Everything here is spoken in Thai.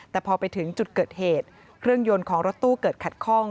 แต่พอไปถึงจุดเกิดเหตุเครื่องยนต์ของรถตู้เกิดขัดข้อง